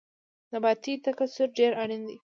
نباتي تکثیر ډیر اړین دی